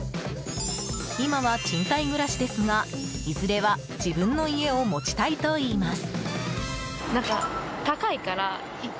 今は賃貸暮らしですがいずれは自分の家を持ちたいといいます。